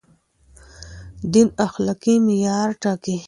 دين اخلاقي معيار ټاکه.